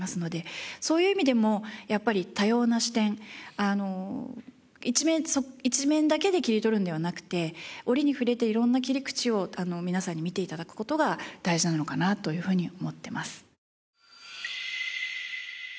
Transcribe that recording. そういう意味でもやっぱり多様な視点一面だけで切り取るのではなくて折に触れて色んな切り口を皆さんに見て頂く事が大事なのかなというふうに思っています。